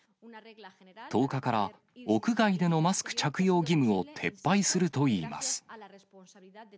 １０日から、屋外でのマスク着用義務を撤廃するといいます。